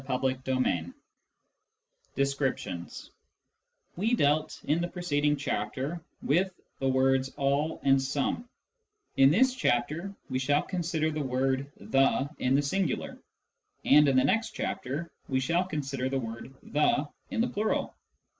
CHAPTER XVI DESCRIPTIONS We dealt in the preceding chapter with the words all and some ; in this chapter we shall consider the word the in the singular, and in the next chapter we shall consider the word the in the plural.